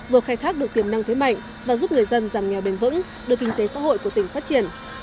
vừa khai thác được tiềm năng thế mạnh và giúp người dân giảm nghèo bền vững đưa kinh tế xã hội của tỉnh phát triển